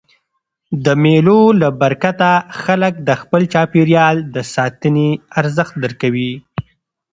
د مېلو له برکته خلک د خپل چاپېریال د ساتني ارزښت درکوي.